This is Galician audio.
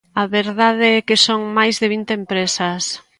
A verdade é que son máis de vinte empresas.